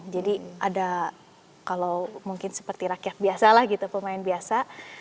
ada kalau mungkin seperti rakyat biasa lah gitu pemain biasa